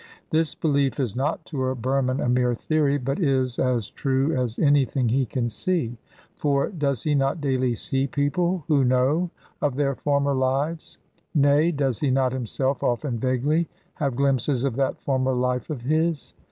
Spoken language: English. This belief is not to a Burman a mere theory, but is as true as anything he can see. For does he not daily see people who know of their former lives? Nay, does he not himself, often vaguely, have glimpses of that former life of his?